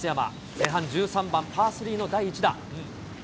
前半１３番パー３の第１打。